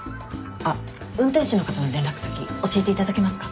あっ運転手の方の連絡先教えていただけますか？